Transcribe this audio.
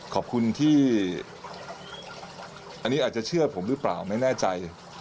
ขอบคุณที่อันนี้อาจจะเชื่อผมหรือเปล่าไม่แน่ใจ